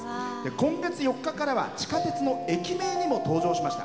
今月４日からは地下鉄の駅名にも登場しました。